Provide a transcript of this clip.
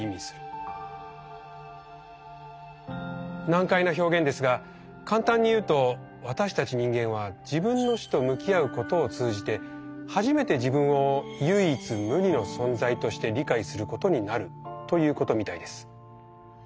難解な表現ですが簡単に言うと私たち人間は自分の死と向き合うことを通じて初めて自分を「唯一無二の存在」として理解することになるということみたいです。